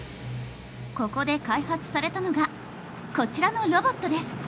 ここで開発されたのがこちらのロボットです。